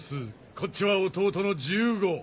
こっちは弟の重悟。